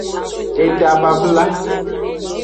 Eda blabla.